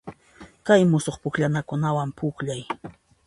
Kay musuq pukllanakunawan pukllay.